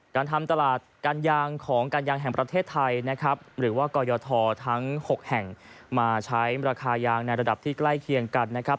การทำตลาดการยางของการยางแห่งประเทศไทยนะครับหรือว่ากรยททั้ง๖แห่งมาใช้ราคายางในระดับที่ใกล้เคียงกันนะครับ